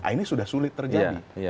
ini sudah sulit terjadi